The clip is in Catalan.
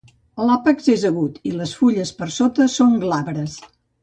L'àpex és agut, i les fulles per sota són glabres.